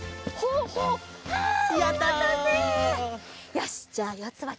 よしじゃあよつば